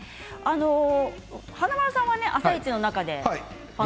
華丸さんは「あさイチ」の中で。